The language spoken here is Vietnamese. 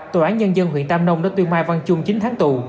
tội án nhân dân huyện tam nông đã tuyên mai văn chung chín tháng tù